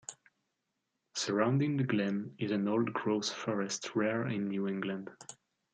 Surrounding the glen is an old growth forest, rare in New England.